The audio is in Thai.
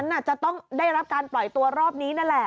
อาจจะต้องได้รับการปล่อยตัวรอบนี้นั่นแหละ